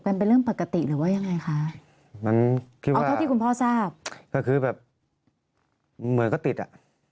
มันเป็นเรื่องปกติหรือว่ายังไงคะมันคือเอาเท่าที่คุณพ่อทราบก็คือแบบเหมือนก็ติดอ่ะ